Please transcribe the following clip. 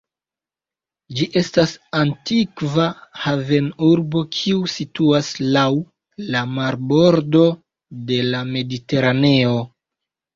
Ĝi estas antikva havenurbo kiu situas laŭ la marbordo de la Mediteraneo.